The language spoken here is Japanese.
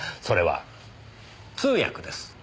それは通訳です。